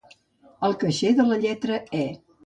El caixer de la lletra "e".